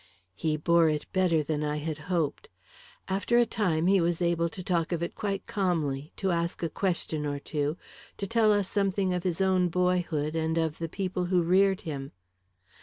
He bore it better than I had hoped. After a time, he was able to talk of it quite calmly, to ask a question or two, to tell us something of his own boyhood, and of the people who reared him.